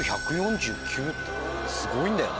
すごいんだよね？